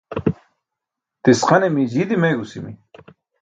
Tisqane mii jii dimeegusimi.